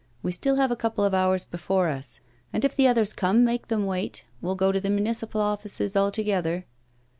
'We still have a couple of hours before us. And, if the others come, make them wait. We'll go to the municipal offices all together.